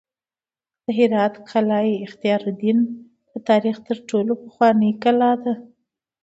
د هرات قلعه اختیارالدین د تاریخ تر ټولو پخوانۍ کلا ده